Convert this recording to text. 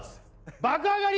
爆上がり